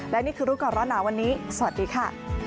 และนี่คือรูปกรณะวันนี้สวัสดีค่ะ